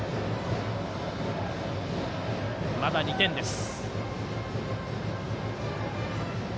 まだ２点です。